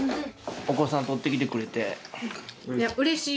お子さん取ってきてくれて。